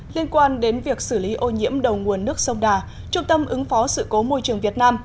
liên quan đến việc xử lý ô nhiễm đầu nguồn nước sông đà trung tâm ứng phó sự cố môi trường việt nam